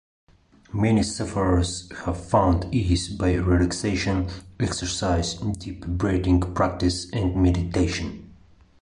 Many sufferers have found ease by relaxation exercises, deep breathing practice and meditation.